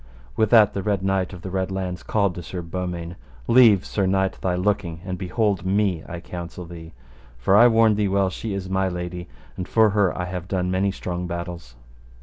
With that the Red Knight of the Red Launds called to Sir Beaumains, Leave, sir knight, thy looking, and behold me, I counsel thee; for I warn thee well she is my lady, and for her I have done many strong battles.